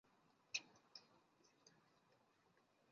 粉红溲疏为虎耳草科溲疏属下的一个种。